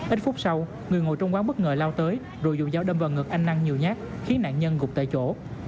ít phút sau người ngồi trong quán bất ngờ lao tới rồi dùng dao đâm vào ngực anh năng nhiều nhát khiến nạn nhân gục tại chỗ